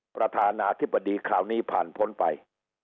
ประธานาธิบดีคราวนี้ผ่านพ้นไป